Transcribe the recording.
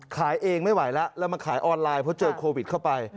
ขายเองไม่ไหวแล้วแล้วมาขายออนไลน์เพราะเจอโควิดเข้าไป